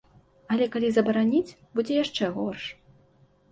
Але калі забараніць, будзе яшчэ горш.